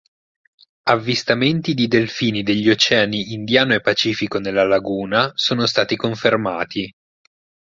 Avvistamenti di delfini degli oceani Indiano e Pacifico nella laguna sono stati confermati.